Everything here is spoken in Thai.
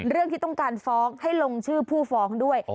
เรื่องที่ต้องการฟ้องให้ลงชื่อผู้ฟ้องด้วย